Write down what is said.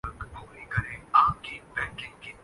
ہمیشہ تیار رہتا ہوں